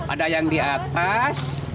ada yang di atas